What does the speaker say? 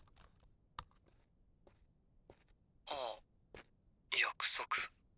「ああ約束」